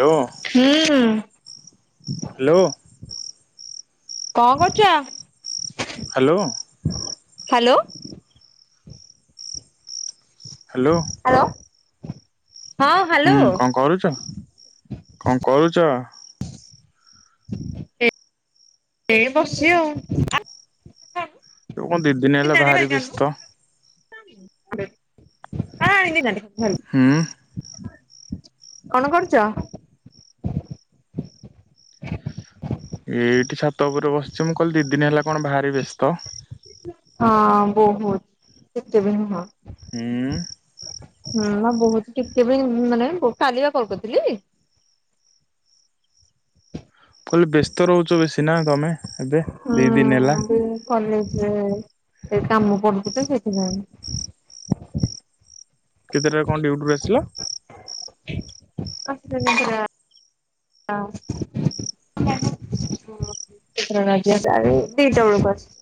ହ୍ୟା ହୁଁ ହ୍ୟାଲୋ। କଣ କରୁଛ? ହ୍ୟାଲୋ। ହ୍ୟାଲୋ। ହ୍ୟାଲୋ। ହ୍ୟାଲୋ ହଁ ହୁଁ ହ୍ୟାଲୋ କଣ କରୁଛ କଣ କରୁଛ? ଏ ବସି ଆଉ। ତୁ କଣ ଦି ଦିନ ହେଲା ଭାରି ବ୍ୟସ୍ତ [unintelligible] [unintelligible] ହୁଁ କଣ କରୁଛ? ଏଇଠି ଛାତପୁରରେ ବସିଛି ମୁଁ କହିଲି ଦି ଦିନ ହେଲା କଣ ବାହାରି ବ୍ୟସ୍ତ। ହଁ ବୋହୁ ସେତେବେଳେ ହଁ। ହୁଁ। ହୁଁ ମା ବୋହୁତ ଟିକେ ବି ମୁଁ ମାନେ ବୋ କାଲିବା କଲ୍ କରିଥିଲି। କହିଲି ବ୍ୟସ୍ତ ରହୁଚ ବେଶୀ ନା ତମେ ଏବେ ଦି ଦିନ ହେଲା। ହୁଁ କଲେଜରେ ସେ କାମ ପଡୁଚି ତ ସେଇଥିପାଇଁ। କେତିଟାରେ କଣ ଡିଉଟୁରୁ ଆସିଲ? ଆ ତିନିଟା ଆଉ [unintelligible] କେତିଟା ବେଳୁ ଆଇଚି ଆଜି, ଆଜି ଦିଇଟା ବେଳୁକୁ ଆସି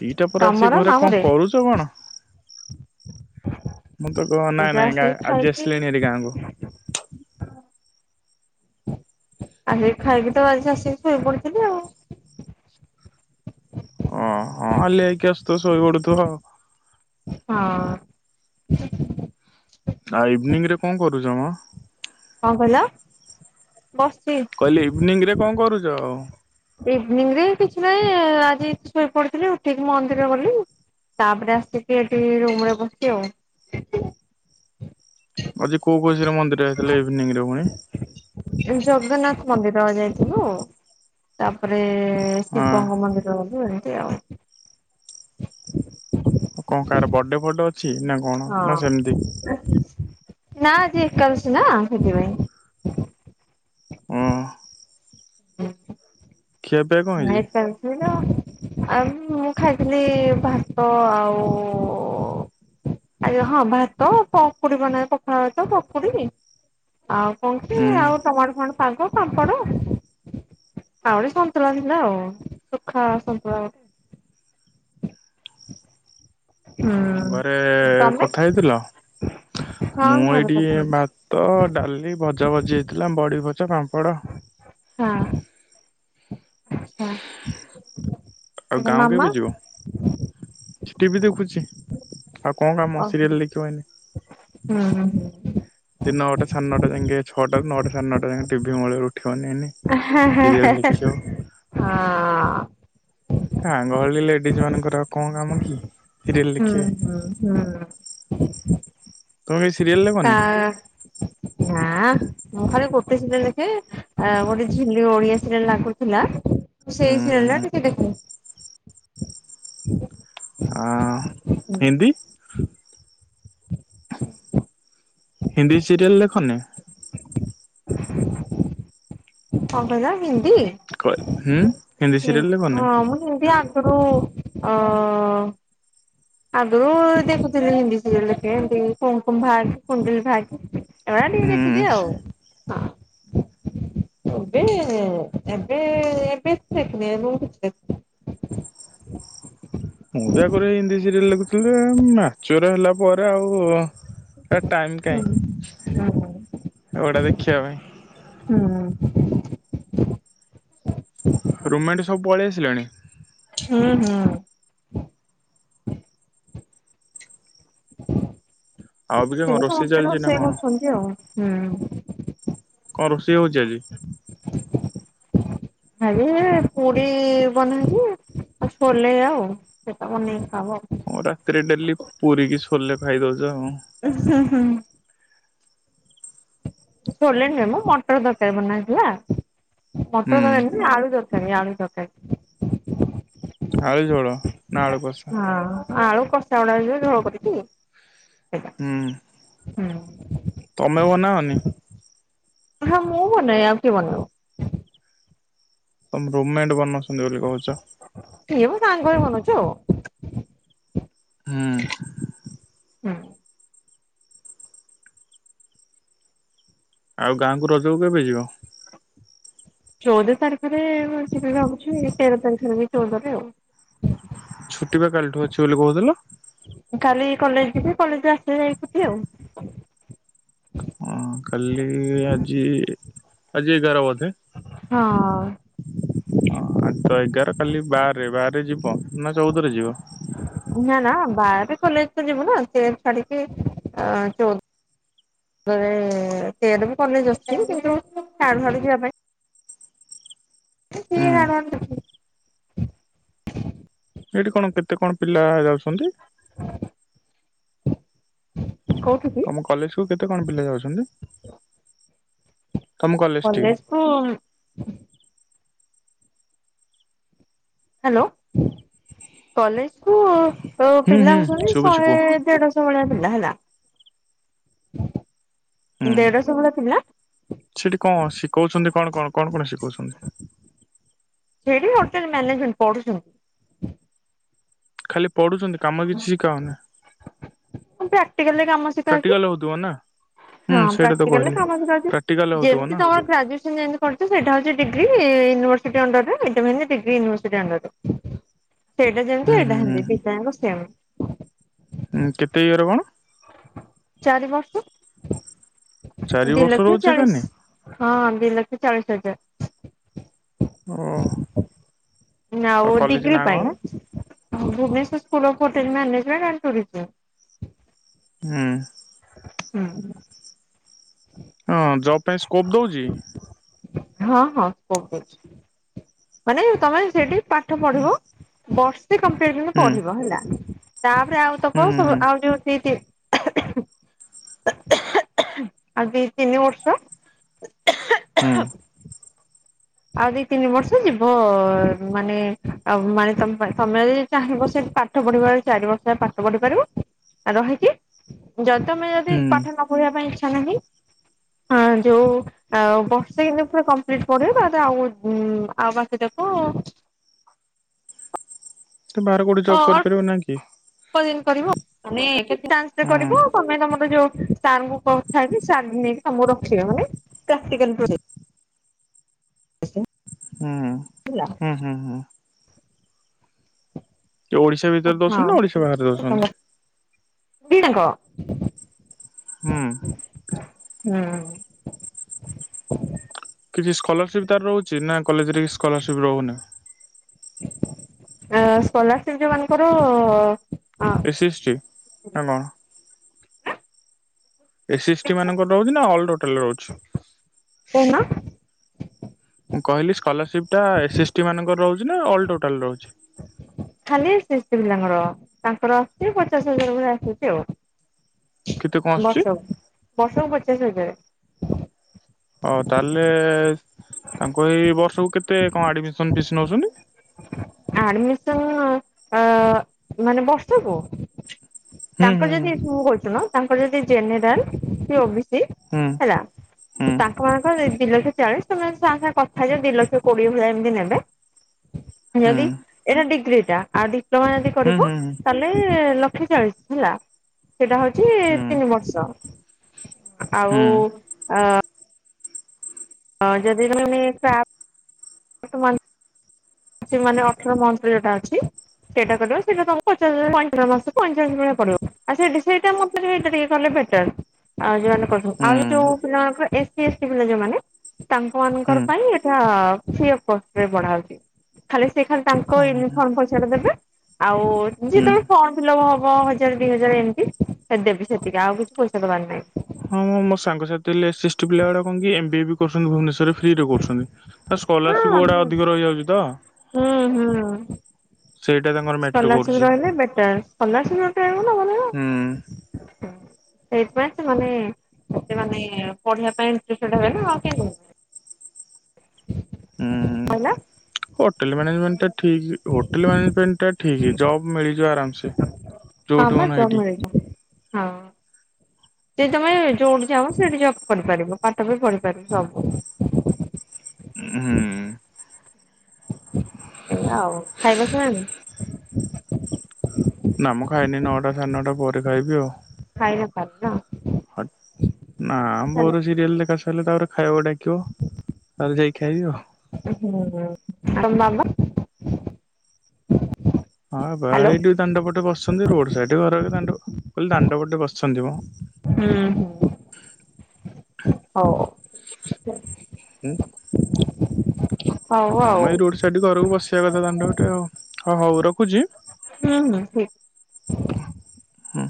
ଦିଇଟା ପରେ ତମର ଆସିକି ଘରେ ମାମୁଁ କଣ ରେ କରୁଚ କଣ? [inaudible] ମୁଁ ତ ଗ ନାଇଁ ଦିଟା ନାଇଁ ଆସିକି ଗାଁ ଆଜି ଖାଇକି ଆସିଲିଣିଭାରି ଗାଁକୁ। ଆସିକି ଖାଇକି ତ ଆଜି ଆସିକି ଶୋଇ ପଡିଥିଲି ଆଉ। ଅଁ। ହଁ ଲେଇକି ଆସୁଥୁବ ଶୋଇ ପଡୁଥୁବ। ହଁ। ଆ ଇଭିନିଂରେ କଣ କରୁଚମ? କଣ କହିଲ ବସିଚି। କହିଲି ଇଭିନିଂରେ କଣ କରୁଚ? ଇଭିନିଂରେ କିଛି ନାହିଁ ଆଜି ଶୋଇପଡିଥିଲି ଉଠିକି ମନ୍ଦିର ଗଲି। ତାପରେ ଆସିକି ଏଠି ରୁମରେ ବସିଚି ଆଉ। ଆଜି କୋଉ ଖୁସିରେ ମନ୍ଦିର ଯାଇଥିଲେ ଇଭିନିଂରେ ପୁଣି। ଏଇ ଜଗନ୍ନାଥ ମନ୍ଦିର ଯାଇଥିଲୁ। ତାପରେ ଶିବଙ୍କ ହଁ ମନ୍ଦିର ଗଲୁ ଏମତି ଆଉ। କଣ କାହାର ବଡେ ଫଡେ ଅଛି ନା କଣ ହଁ ନା ସେମିତି ନା ଆଜି ଏକାଦଶି ନା ସେଥିପାଇଁ। ଓ [inaudible] [unintelligible] [unintelligible] [unintelligible] ଆଉ ମୁଁ ଖାଇଥିଲି ଭାତ ଆଉ ଆଜ୍ଞା ହଁ ଭାତ ପକୁଡି ବନାଏ [unintelligible] ପଖାଳ ଭାତ ପକୁଡି। ଆଉ କଣକି ହୁଁ ଆଉ ଟମାଟ ଫମାଟ ସାଗ, ପାମ୍ପଡ‌ ଆଉ ଗୋଟେ ସ [unintelligible] ସୁଖା ସନ୍ତୁଳା ଭଳିଆ। ଆଉ ଉଁ ଘରେ ତମେ କଥା ହେଇଥିଲ? ହଁ ମୁଁ ଘରେ ଏଇଠି କରିଥିଲି ଭାତ, ଡାଲି, ଭଜା ଭଜି ହେଇଥିଲା ବଡି ଭଜା ପାମ୍ପଡ ହଁ। ଆଚ୍ଛା ଆଉ ଗାଁ [unintelligible] କେବେ ମାମା ଯିବ? ଟିଭି ଦେଖୁଚି ଆଉ କଣ କାମ ଓହୋ ସିରିଏଲ୍ ଦେଖିବ ଏନେ। ହୁଁ ହୁଁ। ସେ ନଅଟା ସାଢେ ନଟା ଯାଁକେ ଛଅଟାରୁ ନଅଟା ସାଢେ ନଅଟା ଯାଁକେ ଟିଭି ମୁହଁରୁ ଉଠିବନି ଏନେ। [unintelligible] ହଁ। ଗାଁ ଗହଳି ଲେଡିଜ ମାନଙ୍କର ଆଉ କଣ କାମ କି। ସିରିଏଲ ହୁଁ ଦେଖିବେ ହୁଁ ହୁଁ। ତମେ କିଛି ସିରିଏଲ୍ ଦେଖ? ନା ନାଁ। ମୁଁ ଖାଲି ଗୋଟେ ସିରିଏଲ ଦେଖେ ଆ ଗୋଟେ ଝିଲି ଓଡିଆ ସିରିଏଲ ଲାଗୁଥିଲା ସେଇ ସିରିଏଲ ନା ହୁଁ ଟିକେ ଦେଖ ହଁ ହିନ୍ଦୀ ହିନ୍ଦୀ ସିରିଏଲ୍ ଦେଖନୀ କଁ କଇଲ ହିନ୍ଦୀ ହୁଁ ହିନ୍ଦୀ ସିରିଏଲରେ ବନେ ହଁ ମୁଁ ହିନ୍ଦୀ ଆ ଗୁରୁ ଆଁ ଆଗୁରୁ ଦେଖୁଥିଲି ହିନ୍ଦୀ ସିରିଏଲେ ଏମତି କଁକଁ ବାହାରିଚି କୁଣ୍ଡୁଲି ଭାଗ ଏ ଟିକେ ହୁଁ ଦେଖିଦିଏ ଆଉ ହଁ ଏବେ ଏବେ ଏବେ [unintelligible] ଦେଖିଦିଏ [unintelligible] ମୁଁ ବି ଆଗରେ ହିନ୍ଦୀ ସିରିଏଲ ଲେଖୁଥିଲି ମ୍ୟାଚୋର ହେଲା ପରେ ଆଉ ହେ ଟାଇମ ହୁଁ ହୁଁ କାଇଁ ଫଡା ଦେଖିବା ପାଇଁ ହୁଁ ରୁମେଟ୍ ସବୁ ପଳେଇ ଆସିଲାଣି ହୁଁ ହୁଁ ଆଉ ଅବିକା ସେ କଣ ସମସ୍ତେ ଚାଲିଛି ନା ରୋଷେଇ କଣ କରୁଛନ୍ତି ଆଉ ହୁଁ କଁ ରୋଷେଇ ହଉଚି ଆଜି? ଆଜ୍ଞା ପୁରୀ ବନେଇଚି ଆଉ ସୋଲେଇ ଆଉ ପୋପା ବନେଇକି ଖାଇବ ଆଉ। ହଁ ରାତିରେ ଡେଲି ପୁରୀକି ଛୋଲେ ଖାଇ ଦଉଚ ଆଉ। ଉ ହୁଁ ହୁଁ ଛୋଲେ ନୁହେଁମ ମଟର ତରକାରୀ ବନାହେଇଥିଲା ମଟର ହୁଁ ଦରକାର ଆଳୁ ଦରକାର ଖାଲି ଆଳୁ ଦରକାର ଆଳୁ ଝୋଳ ନା ଆଳୁ କସ? ହଁ ଆଳୁ କଷା ଗୁଡା ଯେ ଝୋଳ କରିକି ହୁଁ ତମେ ବନାଅନି? ହଁ ମୁଁ ବନାଏ ଆଉ କିଏ ବନେଇବ ତମେ ରୁମେଟ ବନଉଛନ୍ତି ବୋଲି କହୁଚ ସିଏ ମୁଁ ସାଙ୍ଗରେ ବନଉଚୁ ଆଉ। ହୁଁ ହୁଁ। ଆଉ ଗାଁକୁ ରଜକୁ କେବେ ଯିବ? ଚଉଦ ତାରିଖରେ ମୁଁ ଯିବି ଭାବୁଛି ତେର ତାରିଖିରେ କି ଚଉଦରେ ଆଉ। ଛୁଟି ବା କାଲିଠୁ ଅଛି ବୋଲି କହୁଥିଲ କାଲି କଲେଜ ଯିବି କଲେଜରେ ଆସିଲେ ଯାଇ ଛୁଟି ଆଉ। ହଁ କାଲି ଆଜି ଆଜି ଏଗାର ବୋଧେ? ହଁ ଆଁ ଆଜିତ ଏଗାର କାଲି ବାରରେ ବାରରେ ଯିବ ନା ଚଉଦରେ ଯିବ? ନାନା ବାରରେ କଲେଜ ତ ଯିବୁନା ତେର ଛାଡିକି ଆଁ ଚଉ ଦରେ ତେରରେ ବି କଲେଜ ଅଛି କିନ୍ତୁ ସାଡୁ ସାଡୁ ଯିବା ପାଇଁ ଏ କିଏ ହୁଁ ହାଡୁ ହାଡୁ ଯିବ ଏଇଠି କଣ କେତେ କଣ ପିଲା ଯାଉଛନ୍ତି? କୋଉଠି? ମୋ କଲେଜ କୁ କେତେ କଣ ପିଲା ଯାଉଛନ୍ତି? ତମ କଲେଜ ଠିକି? କଲେଜକୁୁ ଉଁ ହାଲୋ କଲେଜକୁ ହୁଁ ପିଲା ହୁଁ ହଉଛନ୍ତି ଶୁଭୁଛି ଶହେ କୁହ ଦେଢ ଭଳି ହେଲା ହୁଁ। ଦେଢଶହ ଭଳି ଥିଲା। ସେଠି କଣ ଶିଖଉଛନ୍ତି କଣ କଣ କଣ କଣ ଶିଖଉଛନ୍ତି? ସେଠି ହୋଟେଲ ମ୍ୟାନେଜମେଣ୍ଟ ପଢୁଛନ୍ତି। ଖାଲି ପଢୁଛନ୍ତି କାମ କିଛି ଶିଖା ହାଉନି। ପ୍ରାକ୍ଟିକାଲରେ କାମ ଶିଖାଉଛି। ରହୁଥିବ ନା। ହୁଁ ହଁ ସେଇଟା ତ ପ୍ରାକ୍ଟିକାଲରେ କହିଲି। ସମଜରେ ପ୍ରାକ୍ଟିକାଲ ହଉଥିବ ଯେମିତି ନା ତମ ଗ୍ରଜୁଏସନ ଯେମିତି କରୁ ସେଇଟା ହଉଛି degree university under degree university ଅଣ୍ଡରେ। ସେଇଟା ଯେମିତି ହୁଁ ହୁଁ ହୁଁ ସେଇଟାତି ପିତାଙ୍କ ସେମ। ହୁଁ କେତେ ଇଗର କଣ? ଚାରି ବର୍ଷ ଚାରି ଦୁଇ ବର୍ଷ ଲକ୍ଷ ରହୁଛି ଏକାନି? ଚାଳିଶ। ହଁ ଦୁଇ ଲକ୍ଷ ଚାଳିଶ ହଜାର। ହଁ। ନା ଡିଗ୍ରୀ ପାଇଁ କଣ? ଭୁବନେଶର ସ୍ ହୋଟେଲ ମାନେଜ। ହୁଁ। ହୁଁ। ହଁ ଜବ୍ ପାଇଁ ସ୍କୋପ୍ ଦେଉଛି? ହଁ ହଁ ବହୁତ ଅଛି। ମାନେ ତମେ ସେଠି ପାଠ ପଢିବ ବର୍ଷେ କ ହୁଁ। ପଢିବ ହେଲା। ତାପରେ ଆଉ ତ ହୁଁ କଣ ହୁଁ ସବୁ ଆଉ ଯୋଉ ସେଇଠ, ଆ କିନଷ ହୁଁ। ଆଉ ଦି ତିନି ବର୍ଷ ଯିବ ମାନେ ଆ ମାନେ ତମ ତମେ ଯ ଚାାର ବର୍ଷ ପାଠ ପଢିପାର ଚାରି ବର୍ଷ ପାଠ ପଢି ପାରିବ ଆଉ ରହିକି। ଯଦ ତମେ ଯଦି ହୁଁ। ପାଠ ନ ଇଛା ନା ଯୋଉ ବର୍ଷେ ଆଉ ଆଉ ବାକ ଦେଖ ବାରୋ ଓ ଦିନ କରିବ କେତେ ଟନ୍ରେ ହୁଁ କରିବୁ। ତମେ ତମର ଯୋଉ ସାର୍ଙ୍କୁ କଥା କି ସାର୍ ନେଇକି ତମକୁ ରଖିବା ମାନେ ହୁଁ ହେଲା ହୁଁ ହୁଁ ହୁଁ। ଏ ଓଡିଶା ଭିତରେ ଦଉଛନ୍ତି ନା ଓଡିଶା ବାହାରେ ଦଉଛନ୍ତି? ହଙ୍କ ହୁଁ। ହୁଁ। କିଛି ସ୍କଲରସିପ ତାର ରହୁଛି ନା କଲେଜରେ ସ୍କଲରସିପ ରହୁନି। ସ୍କଲାରସିପ ଯୋଉ ମାନଙ୍କର ଏଟି ନା କଣ? ଏ ଏସ୍ ଟି ମାନଙ୍କ ରହୁଛି ନା ଅଲ ଟୋଟାଲ ରହୁଛି। କଣ? ମୁଁ କହିଲି ସ୍କଲରସିପ୍ ଟା ଏସ୍ଏସ୍ ଟି ମାନଙ୍କର ରହୁଛି ନା ଅଲ ଟୋଟାଲ ରହୁଛି। ଖାଲି ଶଷ୍ ପିଲାଙ୍କର ତାଙ୍କର ଆସଛି ପଚାଶ ହଜାର ଭଳି ଆସୁଛି ଆଉ। କେତେ କଣ ଆସୁଛି ବର୍ଷକ ବର୍ଷକ ପଚାଶ ହେଯଏ ହଉ ତାହେଲେ ତାଙ୍କ ଏଇ ବର୍ଷକୁ କେତେ କଣ ଆଡମିସନ ଫିସ୍ ନେଉଛନ୍ତି। ଆଡମିସନ ମାନେ ବର୍ଷକୁୁ? ହୁଁ ତାଙ୍କର ହୁଁ ଯଦି ତ କହୁଛୁ ନା ତାଙ୍କର ଯଦି ଜେନେରାଲ ସ ଓ ବି ସି। ହୁଁ ହେଲା ହୁଁ ତା ଜଣଙ୍କର ଦିଇ ଲକ୍ଷ ଚାଳିଶି ତମେ ଆସି ତାଙ୍କ ସାଙ୍ଗେ କଥା ହେଇଯିବ ଦି ଲକ୍ଷ କୋଡିଏ ଭଲିଆ ଏମିତି ନେବେ। ହୁଁ ଯଦି ଏଇଟା ଡିଗ୍ରୀ ଟା ଆଉ ଡିପ୍ଲୋମା ଯଦି ହୁଁ କରିବ। ହୁଁ ତାହେଲେ ଲକ୍ଷେ ଚାଳିଶି ହେଲା ସେଟା ହଉଛି ହୁଁ ହୁଁ ତିନି ବର୍ଷ। ଆଉ ହୁଁ। ଆ ଯଦି ତମେ ବି ପା [unintelligible] ସେ ମାନେ ଅଠର ମନ୍ଥ ଯୋଉଟା ଅଛି। ସେଇଟା କରିବ ସେଟା ତମକୁ ପଚାଶ ପଇଁଚାଳିଶି ଭଲିଆ ପଡିବ ଆଉ ସେ ସେଇଟା ଟିକେ କେଲେ ମତେ ବେ [unintelligible] ଆଉ ଯୋଉ ମାନେ ହୁଁ ଆଉ ଯୋଉ ପିଲାମାନଙ୍କର ଏସି ଏସ୍ଟି ପିଲା ଯୋଉମାନେ ତାଙ୍କ ହୁଁ ମାନଙ୍କର ପାଇଁ ଏଟା [unintelligible] ପଢାହଉଛି। ଖାଲି ସେ ଖାଲି ତାଙ୍କ ହୁଁ ୟୁନିଫର୍ମ ପଇସା ଟା ଦେବେ ଆଉ ଯେତେବେଳେ ଫର୍ମ ଫିଲପ ହବ ହଜାର ଦି ହଜାର ଏମିତି ଦେବେ ସେତିକି ଆଉ କିଛି ପଇସା ଦବାର ନାହିଁ। ହଁ ମୁଁ ମୋ ସାଙ୍ଗସାଥି ହେଲେ ଏସି ଏସ୍ଟି ପିଲ ଗୁଡା କଣ ଏମ୍ ବି ବି କରୁଛନ୍ତି ଭୁବନେଶ୍ଵର ରେ ଫ୍ରିରୀ ରେ କରୁଛନ୍ତି। ଆ ହଁ ସ୍କୋଲାରସିପ୍ ଗୁଡା ହଁ। ଅଧିକ ରହିଯାଉଛି ତ। ହୁଁ ହୁଁ। ସେଇଟା ତାଙ୍କର ମ୍ୟାଟର ସ୍କୋଲାରସିପ୍ କରୁଛି। ରହିଲେ ବେଟର ହୁଁ ସ୍କୋଲାରସିପ୍ [unintelligible] ସେଇଥିପାଇଁ ସେମାନେ ସେ ମାନେ ପଢିବା ପାଇଁ ଇଣ୍ଟ୍ରେଷ୍ଟେ ହେବେନା ଆଉ କେମିତି। ହୁଁ। କହିଲା ହୋଟେଲ ମ୍ୟାନେଜମେଣ୍ଟ ଠିକ୍ ହୋଟେଲ ମ୍ୟାନେଜମେଣ୍ଟ ଠିକ୍ ଜବ୍ ମିଲିଯିବ ଆରାମସେ। ହଁ ଯୋଉଠି ପା ମନ ଜବ୍ ହେଇଠି। ମିଲିଜିବ ହଁ। ଯଦି ତମେ ଯୋଉଠି ଚାହିଁବ ସେଇଠି ଜବ୍ କରିପାରିବ ପାଠ ବି ପଢିପାରିବ ସବୁ। ହୁଁ। ସେଇଆ ଆଉ ଖାଇବସିଲଣି? ନାଁ ମୁଁ ଖାଇନି ନଅଟା ସାଢ଼େ ନଅଟା ପରେ ଖାଇବି ଖାଇ ନପାରିଲି ନା ଆଉ। ନାଁ ମୋ ସିରିଏଲ୍ ଦେଖା ତାହେଲେ ତାପରେ ଖାଇବାକୁ ଡାକିବ ତାହେଲେ ଯାଇକି ଖାଇବି ଆଉ। ହୁଁ ହୁଁ ତମ ବାବା? ହଁ ବାବା ହ୍ୟାଲୋ ଏଇଠି ଦାଣ୍ଡ ପଟେ ବସିଛନ୍ତି ରୋଡ ସାଇଡ୍ ଘର ଦାଣ୍ଡ କହିଲେ ଦାଣ୍ଡ ପଟେ ବସିଛନ୍ତି ମ। ହୁଁ ହୁଁ ହଉ। ହୁଁ। ହଉ ହଁ ଆଉ ମୁଁ ଏଇ ରୋଡ ସାଇଡ ଘରକୁ ବସିବା କଥା ଦାଣ୍ଡ ପଟେ ହ ହଉ ରଖୁଛି। ହୁଁ ହୁଁ। ହୁଁ।